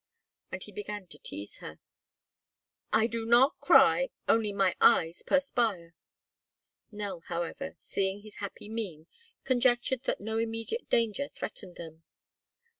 And he began to tease her: "I do not cry, only my eyes perspire " Nell, however, seeing his happy mien, conjectured that no immediate danger threatened them.